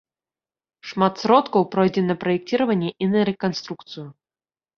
Шмат сродкаў пройдзе на праекціраванне і на рэканструкцыю.